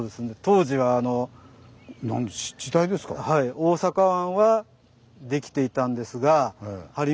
大阪湾はできていたんですがほぉ。